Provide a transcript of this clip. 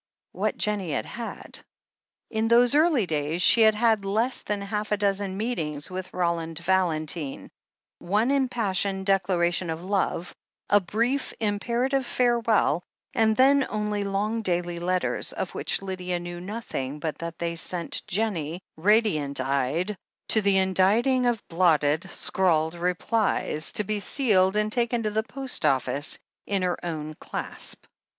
What Jennie had had ! In those early days she had had less than half a dozen meetings with Roland Valentine, one impassioned decla ration of love, a brief, imperative farewell, and then only long daily letters, of which Lydia knew nothing but that they sent Jennie, radiant eyed, to the inditing of blotted, scrawled replies, to be sealed and taken to the post office in her own clasp.